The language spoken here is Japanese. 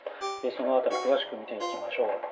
その辺り詳しく見ていきましょう。